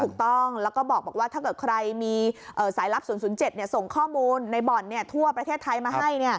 ถูกต้องแล้วก็บอกว่าถ้าเกิดใครมีสายลับ๐๐๗ส่งข้อมูลในบ่อนทั่วประเทศไทยมาให้